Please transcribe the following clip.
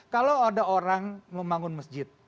kalau ada orang membangun masjid